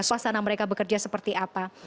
suasana mereka bekerja seperti apa